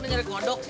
nih nyari godok sih